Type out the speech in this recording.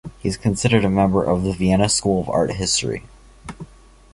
He is considered a member of the Vienna School of Art History.